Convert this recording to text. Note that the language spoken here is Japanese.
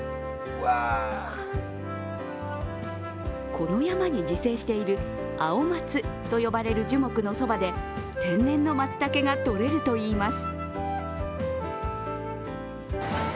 この山に自生している青松と呼ばれる樹木のそばで天然のまつたけが採れるといいます。